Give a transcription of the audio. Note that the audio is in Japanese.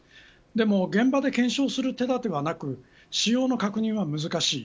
でも現場で検証する手だてはなく使用の確認は難しい。